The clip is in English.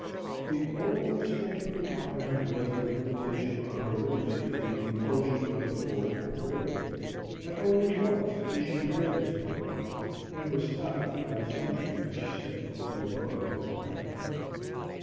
The only restraint put upon her was the limitation of her liberty to the enclosure of the fort and parade; and only once did she break this parole, and was stopped by the sentry as she stepped into a boat at the landing.